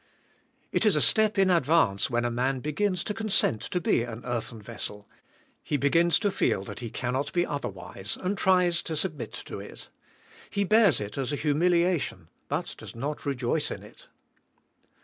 It is a step in advance when a man begins to con sent to be an earthen vessel. He begins to feel he cannot be otherwise, and tries to submit to it. He bears it as a humiliation but does not rejoice in it.